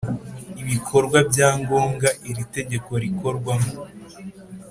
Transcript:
Ibikorwa bya ngombwa iri tegeko rikorwamo